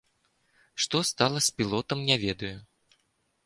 Што стала з пілотам, не ведаю.